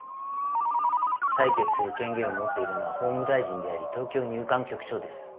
裁決する権限を持っているのは法務大臣であり東京入管局長です。